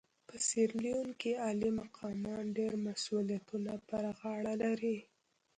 په سیریلیون کې عالي مقامان ډېر مسوولیتونه پر غاړه لري.